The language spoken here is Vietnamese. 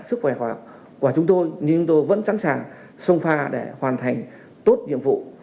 sức khỏe của chúng tôi nhưng chúng tôi vẫn sẵn sàng sông pha để hoàn thành tốt nhiệm vụ